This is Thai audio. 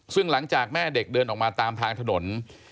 ซึ่งหลังจากแม่เด็กเดินออกมาตามทางถนน